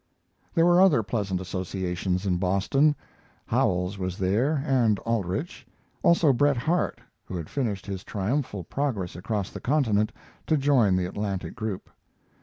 There were other pleasant associations in Boston. Howells was there, and Aldrich; also Bret Harte, who had finished his triumphal progress across the continent to join the Atlantic group.